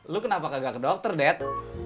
lo kenapa gak ke dokter dad